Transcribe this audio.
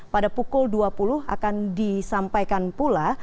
pada pukul dua puluh akan disampaikan pula